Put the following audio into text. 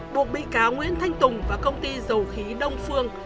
buộc bị cáo nguyễn thanh tùng và công ty dầu khí đông phương